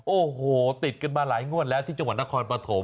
โอ้โหติดกันมาหลายงวดแล้วที่จังหวัดนครปฐม